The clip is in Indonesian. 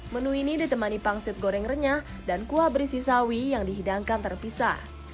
menu ini ditemani pangsit goreng renyah dan kuah berisi sawi yang dihidangkan terpisah